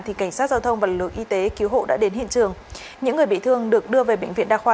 thì cảnh sát giao thông và lực y tế cứu hộ đã đến hiện trường những người bị thương được đưa về bệnh viện đa khoa